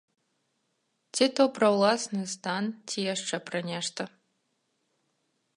Ці то пра ўласны стан, ці яшчэ пра нешта.